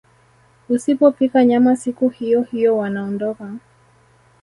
Usipopika nyama siku hiyohiyo wanaondoka